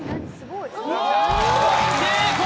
成功！